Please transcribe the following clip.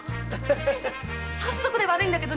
早速で悪いんだけどね